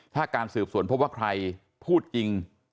ถ้าการสืบสวนพบว่าใครพูดจริง